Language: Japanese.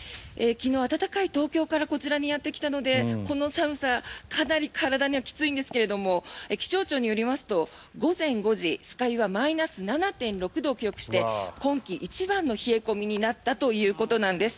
昨日、暖かい東京からこちらにやってきたのでこの寒さ、かなり体にはきついんですけれども気象庁によりますと午前５時酸ケ湯はマイナス７．６度を記録して今季一番の冷え込みになったということなんです。